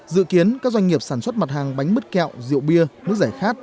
dự kiến các doanh nghiệp sản xuất mặt hàng bánh mứt kẹo rượu bia nước giải khát